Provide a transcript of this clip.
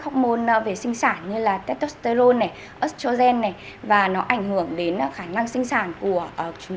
học môn về sinh sản như là tittosterol này ostrogen này và nó ảnh hưởng đến khả năng sinh sản của chúng